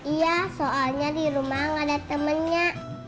iya soalnya di rumah gak ada temennya